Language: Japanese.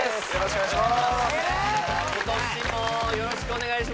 よろしくお願いします